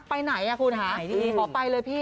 ไปไหนน่ะคุณฮะอย่างนี้ถ้าไปเลยพี่